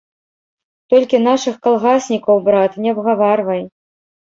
Толькі нашых калгаснікаў, брат, не абгаварвай.